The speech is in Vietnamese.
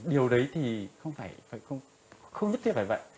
điều đấy thì không nhất thiết phải vậy